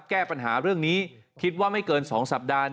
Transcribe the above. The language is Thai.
แก้ปัญหาเรื่องนี้คิดว่าไม่เกิน๒สัปดาห์